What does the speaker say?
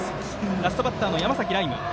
ラストバッター、山崎徠夢。